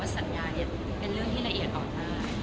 สัญญาเนี่ยเป็นเรื่องที่ละเอียดอ่อนมาก